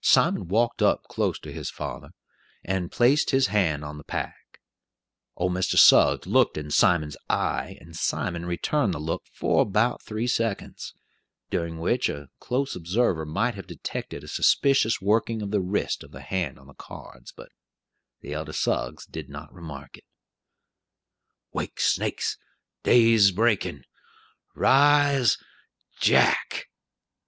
Simon walked up close to his father, and placed his hand on the pack. Old Mr. Suggs looked in Simon's eye, and Simon returned the look for about three seconds, during which a close observer might have detected a suspicious working of the wrist of the hand on the cards, but the elder Suggs did not remark it. "Wake snakes! day's a breakin'! Rise, Jack!"